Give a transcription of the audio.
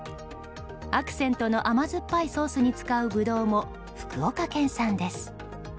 アクセントの甘酸っぱいソースに使うブドウも福岡県産です。